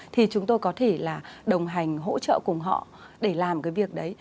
thì chúng tôi có thể là đồng hành hỗ trợ cùng họ để làm cái việc đấy